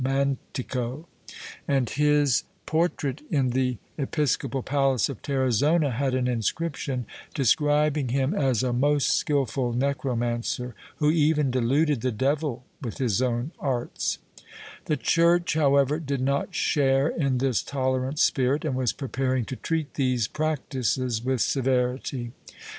^ Ibidem, XVIII, 14. Chap. VIII] MEDIEVAL TOLERATION 181 portrait in the episcopal palace of Tarazona had an inscription describing him as a most skilful necromancer, who even deluded the devil with his own arts/ The Church, however, did not share in this tolerant spirit and was preparing to treat these practices with severity.